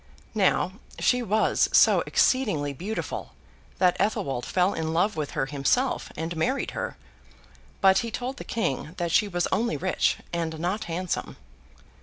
Now, she was so exceedingly beautiful that Athelwold fell in love with her himself, and married her; but he told the King that she was only rich—not handsome.